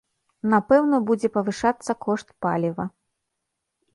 Напэўна будзе павышацца кошт паліва.